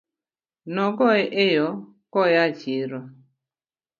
Nogoye e yoo koyaa chiro